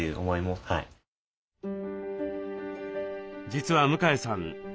実は向江さん